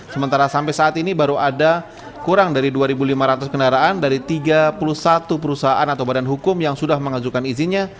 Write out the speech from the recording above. sementara sampai saat ini baru ada kurang dari dua lima ratus kendaraan dari tiga puluh satu perusahaan atau badan hukum yang sudah mengajukan izinnya